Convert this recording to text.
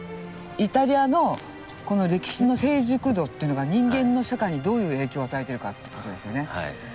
イタリアのこの歴史の成熟度っていうのが人間の社会にどういう影響を与えてるかって事ですよね。